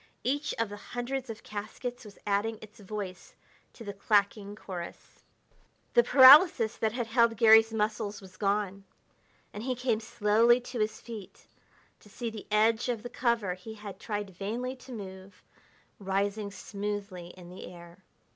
Each of the hundreds of caskets was adding its voice to the clacking chorus. The paralysis that had held Garry's muscles was gone, and he came slowly to his feet to see the edge of the cover he had tried vainly to move, rising smoothly in the air.